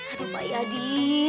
aduh pak yadi